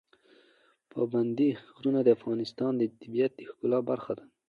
پابندی غرونه د افغانستان د طبیعت د ښکلا برخه ده.